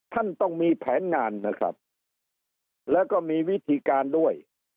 ท่านต้องมีแผนงานนะครับแล้วก็มีวิธีการด้วย